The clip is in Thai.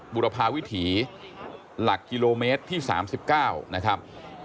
บุรพาวิถีหลักกิโลเมตรที่สามสิบเก้านะครับ